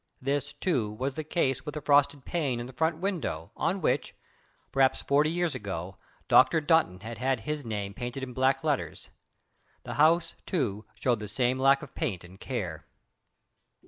This, too, was the case with a frosted pane in the front window, on which perhaps 40 years ago Dr. Dunton had had his name painted in black letters. The house, too, showed the same lack of paint and care.